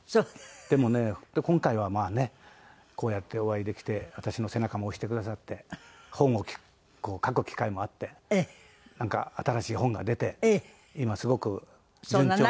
でもね今回はまあねこうやってお会いできて私の背中も押してくださって本を書く機会もあってなんか新しい本が出て今すごく順調。